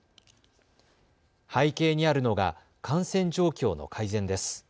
背景にあるのが感染状況の改善です。